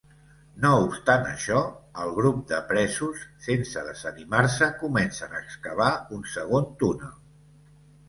No obstant això, el grup de presos, sense desanimar-se, comencen a excavar un segon túnel.